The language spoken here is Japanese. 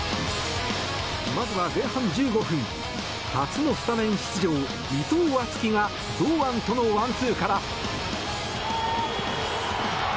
まずは前半１５分初のスタメン出場、伊藤敦樹が堂安とのワンツーから。